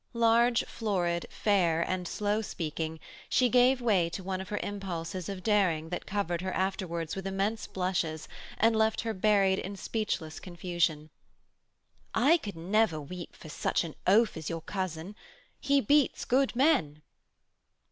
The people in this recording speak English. Large, florid, fair, and slow speaking, she gave way to one of her impulses of daring that covered her afterwards with immense blushes and left her buried in speechless confusion. 'I could never weep for such an oaf as your cousin. He beats good men.'